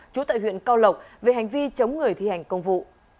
trú tại huyện cao lộc về hành vi chống người thi hành công vụ